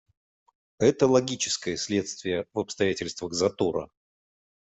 Это логическое следствие в обстоятельствах затора.